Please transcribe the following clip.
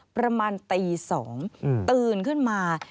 ประมาณตี๒ตื่นขึ้นมา